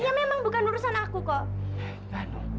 ya memang bukan urusan aku kok